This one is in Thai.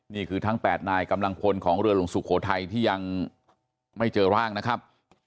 นี่คือทั้ง๘นายกำลังพลของเรือหลวงสุโขทัยที่ยังไม่เจอร่างนะครับ